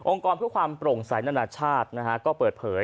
กรเพื่อความโปร่งใสนานาชาติก็เปิดเผย